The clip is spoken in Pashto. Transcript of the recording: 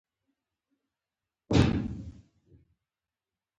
ایا ستاسو کشران درناوی کوي؟